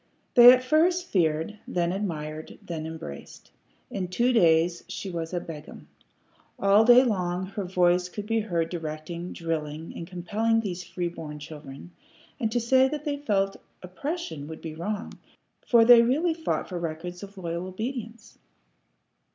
They at first feared, then admired, then embraced. In two days she was a Begum. All day long her voice could be heard directing, drilling, and compelling those free born children; and to say that they felt oppression would be wrong, for they really fought for records of loyal obedience.